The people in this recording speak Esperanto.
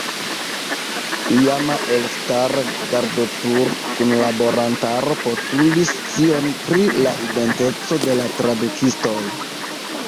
Iama elstara Gardotur-kunlaborantaro postulis scion pri la identeco de la tradukistoj.